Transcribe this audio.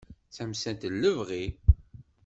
D tamsalt n lebɣi.